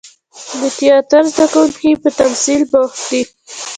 د تیاتر زده کوونکي په تمثیل بوخت دي.